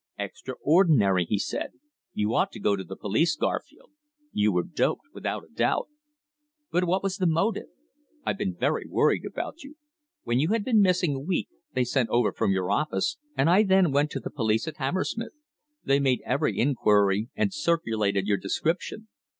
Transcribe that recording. "Extraordinary!" he said. "You ought to go to the police, Garfield. You were doped without a doubt. But what was the motive? I've been very worried about you. When you had been missing a week they sent over from your office, and I then went to the police at Hammersmith. They made every inquiry and circulated your description.